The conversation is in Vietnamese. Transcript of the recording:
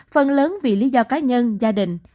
phần lớn vì lý do cá nhân gia đình